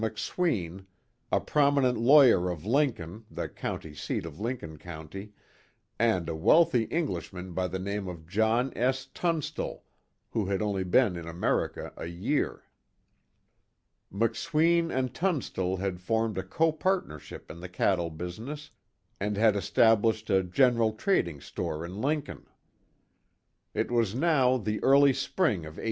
McSween, a prominent lawyer of Lincoln the County seat of Lincoln County and a wealthy Englishman by the name of John S. Tunstall, who had only been in America a year. McSween and Tunstall had formed a co partnership in the cattle business, and had established a general trading store in Lincoln. It was now the early spring of 1877.